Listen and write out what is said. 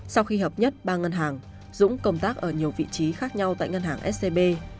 sau khi hợp nhất ba ngân hàng dũng công tác ở nhiều vị trí khác nhau tại ngân hàng scb